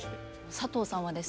佐藤さんはですね